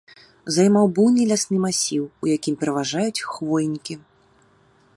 Займаў буйны лясны масіў, у якім пераважаюць хвойнікі.